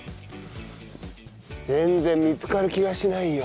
全然見つかる気がしないよ。